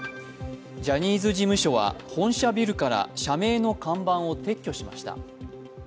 ジャニーズ事務所は本社ビルから社名の看板を撤去しました。